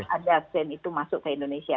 ada stand itu masuk ke indonesia